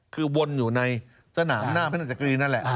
คือวนอยู่ในสนามหน้าพระนาจักรีนั่นแหละ